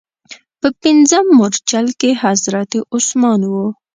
په پنځم مورچل کې حضرت عثمان و.